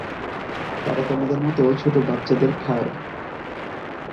তারা তোমাদের মত ছোট বাচ্চাদের খায়।